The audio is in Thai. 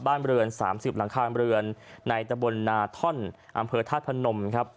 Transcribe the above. บ้านเรือน๓๐หลังคาเรือนในตะบนนาท่อนอำเภอธาตุพนมครับ